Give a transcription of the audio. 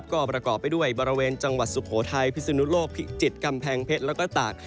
ก็ประกอบไปด้วยบริเวณจังหวัดสุโขทัยพิศนุโลกพิจิตรกำแพงเพชรแล้วก็ตาก